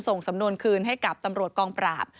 ส่งสำนวนคืนให้กับตำรวจกองปราบ